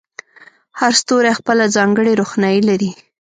هر ستوری خپله ځانګړې روښنایي لري.